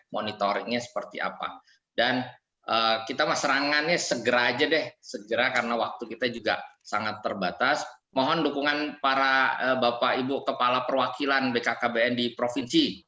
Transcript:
mohon dukungan para bapak ibu kepala perwakilan bkkbn di provinsi